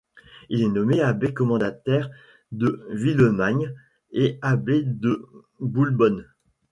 Il est nommé abbé commendataire de Villemagne et abbé de Boulbonne.